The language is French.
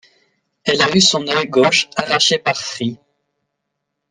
Elle a eu son œil gauche arraché par Free.